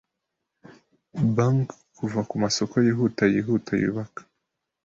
Bang kuva kumasoko yihuta yihuta yubaka